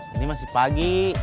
ini masih pagi